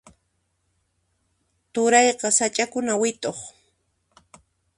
Turayqa sach'akuna wit'uq.